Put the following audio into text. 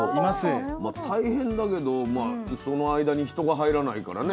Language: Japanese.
大変だけどまあその間に人が入らないからね